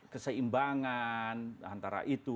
keseimbangan antara itu